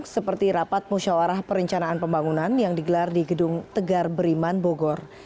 seperti rapat musyawarah perencanaan pembangunan yang digelar di gedung tegar beriman bogor